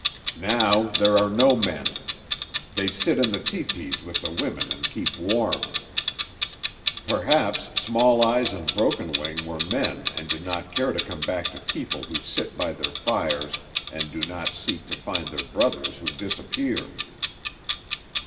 Now there are no men. They sit in the tepees with the women and keep warm. Perhaps Small Eyes and Broken Wing were men and did not care to come back to people who sit by their fires and do not seek to find their brothers who disappear."